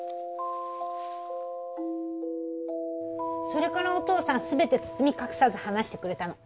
それからお父さん全て包み隠さず話してくれたの。